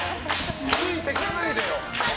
ついていかないでよ。